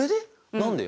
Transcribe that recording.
何で？